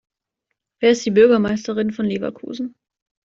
Wer ist die Bürgermeisterin von Leverkusen?